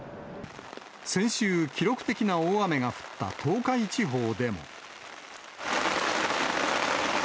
先週、記録的な大雨が降った東海地方でも。